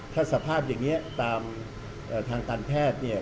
ถ้าสภาพอย่างนี้ตามทางการแพทย์เนี่ย